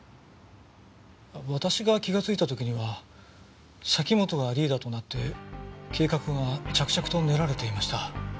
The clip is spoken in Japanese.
私が気がついた時には崎本がリーダーとなって計画が着々と練られていました。